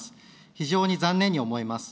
非常に残念に思います。